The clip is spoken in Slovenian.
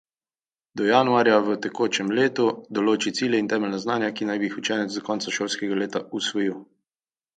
Svetel javor naredi sobo napihnjeno.